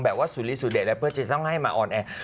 แบบว่าสุริสุเดชน์และเพื่อจะต้องให้มาออนแอร์